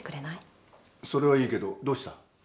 それはいいけどどうした？